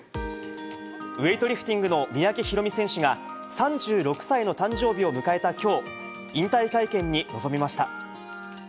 ウエイトリフティングの三宅宏実選手が、３６歳の誕生日を迎えたきょう、引退会見に臨みました。